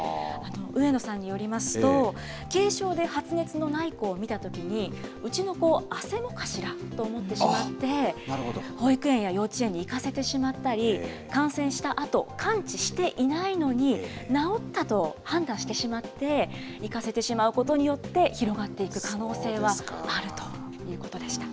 上野さんによりますと、軽症で発熱のない子を見たときに、うちの子、あせもかしら？と思ってしまって、保育園や幼稚園に行かせてしまったり、感染したあと完治していないのに、治ったと判断してしまって、行かせてしまうことによって、広がっていく可能性はあるということでした。